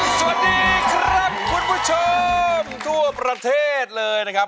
สวัสดีครับคุณผู้ชมทั่วประเทศเลยนะครับ